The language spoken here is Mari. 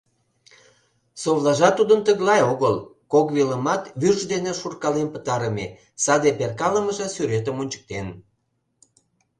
Совлажат тудын тыглай огыл: кок велымат вӱрж дене шуркален пытарыме, саде перкалымыже сӱретым ончыктен.